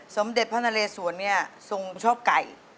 สมเด็จพระนเรสวนเนี่ยทรงชอบไก่